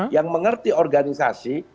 yang mengerti organisasi